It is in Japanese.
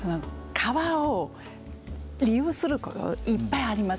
皮を利用することはいっぱいあります。